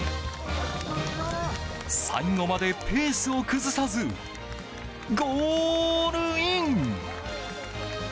最後までペースを崩さずゴールイン！